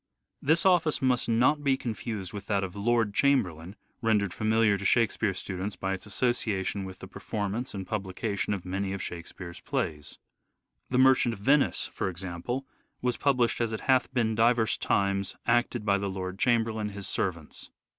This office must not be confused with that of Lord Chamberlain, rendered familiar to Shakespeare students by its association with the performance and publication of many of Shakespeare's plays. " The Merchant of Venice," for example, was published "as it hath beene diverse times acted by the Lord Chamberlain, his servants."